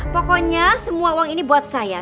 pokoknya semua uang ini buat saya